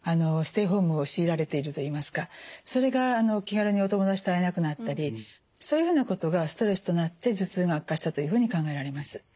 ステイホームを強いられているといいますかそれが気軽にお友達と会えなくなったりそういうふうなことがストレスとなって頭痛が悪化したというふうに考えられます。